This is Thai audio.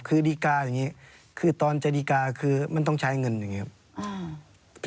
คือดีกาอย่างนี้คือตอนจะดีการ์คือมันต้องใช้เงินอย่างนี้ครับ